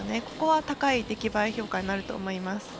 ここは高い出来栄え評価になると思います。